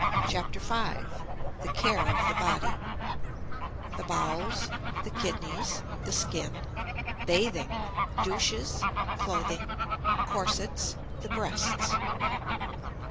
CHAPTER V THE CARE OF THE BODY The Bowels The Kidneys The Skin Bathing Douches Clothing Corsets The Breasts.